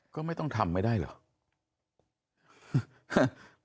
ก็ไม่ต้องทำไม่ได้เหรอ